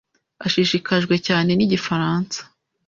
ashishikajwe cyane nigifaransa.